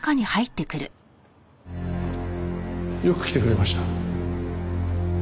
よく来てくれました。